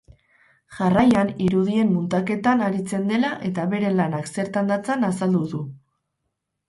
Jarraian, irudien muntaketan aritzen dela eta bere lanak zertan datzan azaldu du.